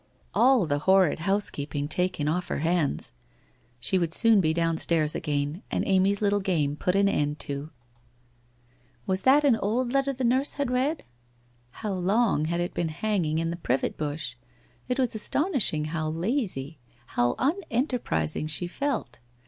All the horrid house keeping taken off her hands. She would soon be down stairs again and Amv' little game put an end to. Was 172 WHITE ROSE OF WEARY LEAF that an old letter the nurse had read? How long had it been hanging in the privet bush? It was astonishing how lazy, how unenterprising she felt.